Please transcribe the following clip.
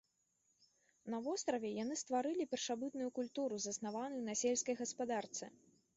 На востраве яны стварылі першабытную культуру заснаваную на сельскай гаспадарцы.